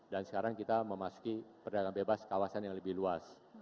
dan sekarang kita memasuki perdagangan bebas kawasan yang lebih luas